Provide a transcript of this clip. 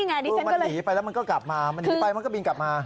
คือมันหนีไปแล้วมันก็กลับมามันหนีไปมันก็บินกลับมา